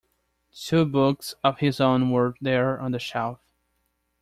Two books of his own were there on the shelf.